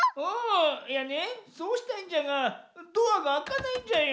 いやねそうしたいんじゃがドアがあかないんじゃよ。